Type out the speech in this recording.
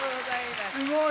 すごい！